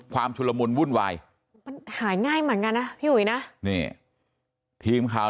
ชุลมุนวุ่นวายมันหายง่ายเหมือนกันนะพี่อุ๋ยนะนี่ทีมข่าว